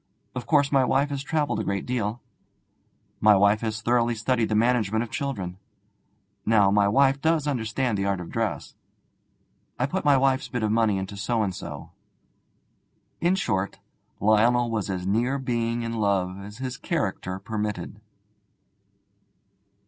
Of course, my wife has travelled a great deal. My wife has thoroughly studied the management of children. Now, my wife does understand the art of dress. I put my wife's bit of money into so and so.' In short, Lionel was as near being in love as his character permitted.